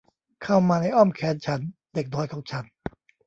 เข้ามาในอ้อมแขนฉัน เด็กน้อยของฉัน